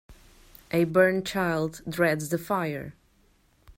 A burnt child dreads the fire.